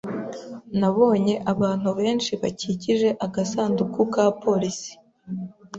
Nabonye abantu benshi bakikije agasanduku ka polisi.